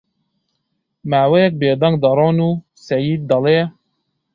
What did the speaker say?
ماوەیەک بێ دەنگ دەڕۆن و سەید دەڵێ: